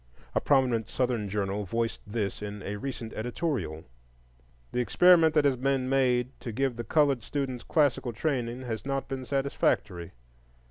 A prominent Southern journal voiced this in a recent editorial. "The experiment that has been made to give the colored students classical training has not been satisfactory.